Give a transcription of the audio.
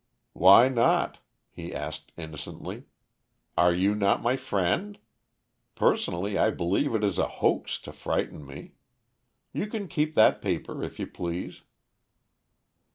"Why not?" he asked innocently. "Are you not my friend? Personally I believe it is a hoax to frighten me. You can keep that paper if you please."